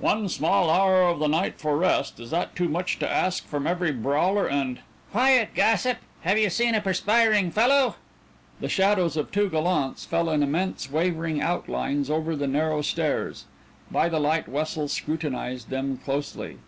"One small hour of the night for rest. Is that too much to ask from every brawler and " "Quiet, gossip! Have you seen a perspiring fellow?" The shadows of two gallants fell in immense wavering outlines over the narrow stairs; by the light Wessel scrutinized them closely.